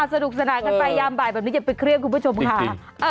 สนุกสนานกันไปยามบ่ายแบบนี้อย่าไปเครียดคุณผู้ชมค่ะ